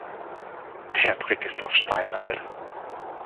Der Trick ist doch steinalt.